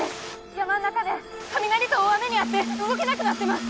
山ん中で雷と大雨に遭って動けなくなってます。